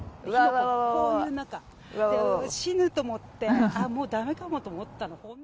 こういう中、死ぬと思って、まあもうだめかもと思ったの、本当に。